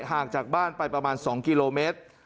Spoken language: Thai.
ห่างจากบ้านไปประมาณ๒กิโลเมตร